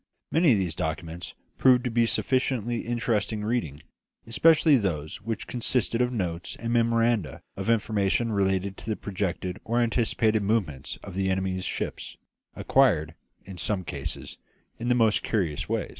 Many of the documents proved to be sufficiently interesting reading, especially those which consisted of notes and memoranda of information relating to the projected or anticipated movements of the enemy's ships, acquired, in some cases, in the most curious way.